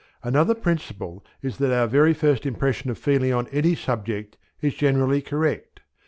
Another principle is that our very first impression of feeling on any subject is generally correct.